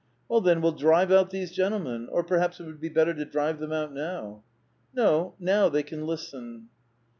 " Well, then we'll drive out these gentlemen. Or perhaps it would be better to drive them out now !"" No; now they can listen."